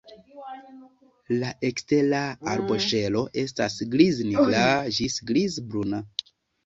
La ekstera arboŝelo estas griz-nigra ĝis griz-bruna.